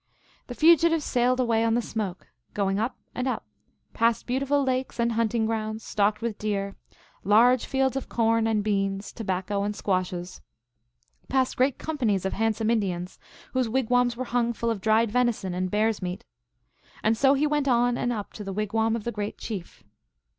The fugitive sailed away on the smoke, going up and up, past beautiful lakes and hunting grounds stocked with deer, large fields of corn and beans, tobacco and squashes ; past great companies of handsome Indians, whose wigwams were hung full of dried venison and bear s meat. And so he went on and up to the wig wam of the Great Chief.